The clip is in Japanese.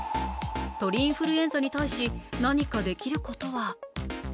鳥インフルエンザに対し、何かできることは？